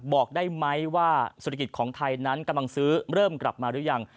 บอกได้ไหมว่าเศรษฐกิจของไทยนั้นกำลังซื้อเริ่มกลับมาหรือยัง